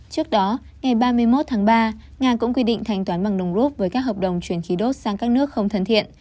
trước đó ngày ba mươi một tháng ba nga cũng quy định thanh toán bằng đồng rút với các hợp đồng chuyển khí đốt sang các nước không thân thiện